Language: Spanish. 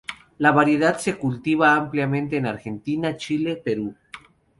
La variedad se cultiva ampliamente en Argentina, Chile, Perú.